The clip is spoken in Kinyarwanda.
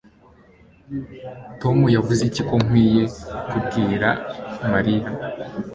Tom yavuze iki ko nkwiye kubwira Mariya